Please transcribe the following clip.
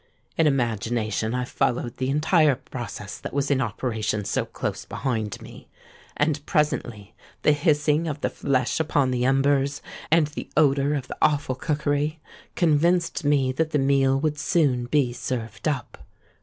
In imagination I followed the entire process that was in operation so close behind me; and presently the hissing of the flesh upon the embers, and the odour of the awful cookery, convinced me that the meal would soon be served up.